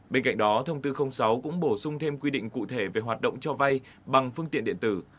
bên cạnh đó thông tư sáu cũng bổ sung thêm quy định cụ thể về hoạt động cho vay bằng phương tiện điện tử